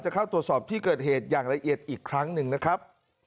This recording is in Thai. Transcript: เข้าตรวจสอบที่เกิดเหตุอย่างละเอียดอีกครั้งหนึ่งนะครับ